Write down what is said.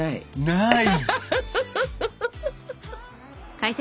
ない！